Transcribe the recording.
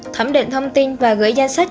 thẩm định thông tin và gửi danh sách